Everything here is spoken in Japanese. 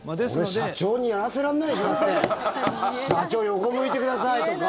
これ、社長にやらせらんないでしょだって。社長、横向いてくださいとか。